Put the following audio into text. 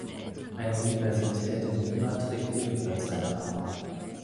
Eine Universität in Lima trägt ebenfalls seinen Namen.